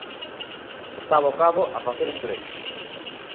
Está abocado a facer un pleno.